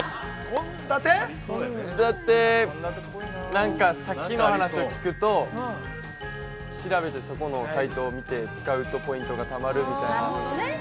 ◆献立、なんかさっきの話を聞くと、調べて、そこのサイトを見て、使うとポイントがたまるみたいな。